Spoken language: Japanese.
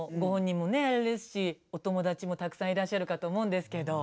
あれですしお友達もたくさんいらっしゃるかと思うんですけど。